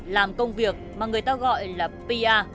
làm công việc mà người ta gọi là pr